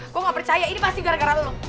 gue gak percaya ini pasti gara gara lu